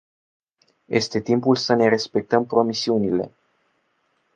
Este timpul să ne respectăm promisiunile.